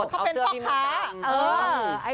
เขาเป็นพ่อค้า